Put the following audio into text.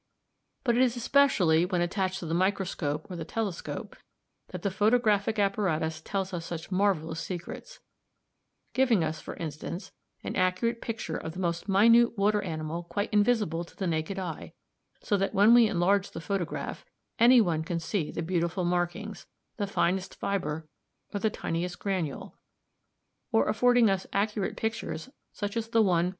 "But it is especially when attached to the microscope or the telescope that the photographic apparatus tells us such marvellous secrets; giving us, for instance, an accurate picture of the most minute water animal quite invisible to the naked eye, so that when we enlarge the photograph any one can see the beautiful markings, the finest fibre, or the tiniest granule; or affording us accurate pictures, such as the one at p.